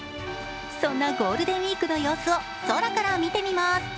そんなゴールデンウイークの様子を空から見てみます。